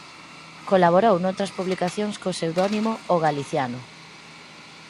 Colaborou noutras publicacións co pseudónimo "O Galiciano".